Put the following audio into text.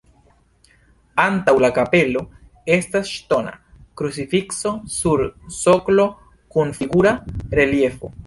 Antaŭ la kapelo estas ŝtona krucifikso sur soklo kun figura reliefo.